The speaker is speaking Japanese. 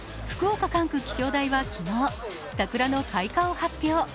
福岡管区気象台は昨日、桜の開花を発表。